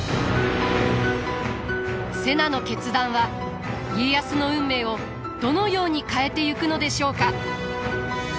瀬名の決断は家康の運命をどのように変えてゆくのでしょうか？